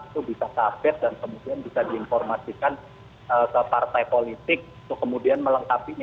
itu bisa kaget dan kemudian bisa diinformasikan ke partai politik untuk kemudian melengkapinya